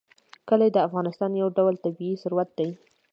کلي د افغانستان یو ډول طبعي ثروت دی.